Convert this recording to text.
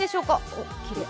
おっ、きれい。